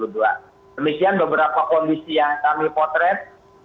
demikian beberapa kondisi yang kami potret